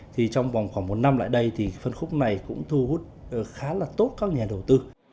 thì trong vòng khoảng một năm lại đây thì phân khúc này cũng thu hút khá là tốt các nhà đầu tư